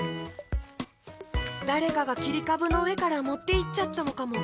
だれかがきりかぶのうえからもっていっちゃったのかも。